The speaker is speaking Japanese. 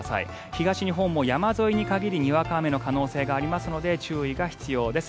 東日本も山沿いに限りにわか雨の可能性がありますので注意が必要です。